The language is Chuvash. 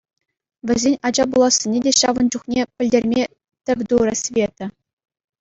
Вӗсен ача пулассине те ҫавӑн чухне пӗлтерме тӗв турӗ Света.